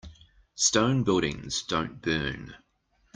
Stone buildings don't burn.